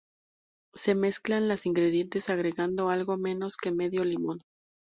Se mezclan los ingredientes agregando algo menos que medio limón.